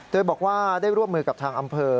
โดยบอกว่าได้ร่วมมือกับทางอำเภอ